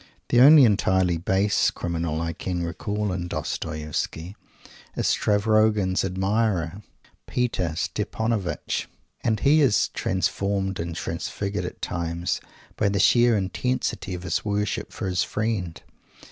The only entirely base criminal I can recall in Dostoievsky is Stavrogin's admirer, Peter Stepanovitch, and he is transformed and transfigured at times by the sheer intensity of his worship for his friend.